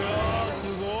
すごい。